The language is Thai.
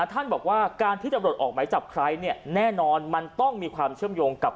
ท่านบอกว่าการที่ตำรวจออกไหมจับใครเนี่ยแน่นอนมันต้องมีความเชื่อมโยงกับ